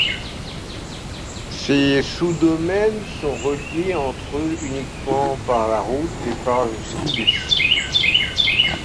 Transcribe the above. Ces sous-domaines sont reliés entre eux uniquement par la route et par skibus.